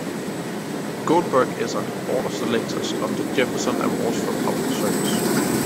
Goldberg is on the Board of Selectors of Jefferson Awards for Public Service.